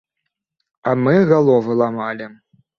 А мы галовы ламалі!